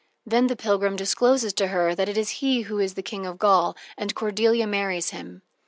Then the pilgrim discloses to her that he it is who is the King of Gaul, and Cordelia marries him.